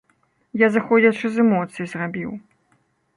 Я зыходзячы з эмоцый зрабіў.